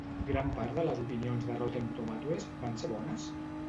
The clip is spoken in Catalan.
Gran part de les opinions de Rotten Tomatoes van ser bones?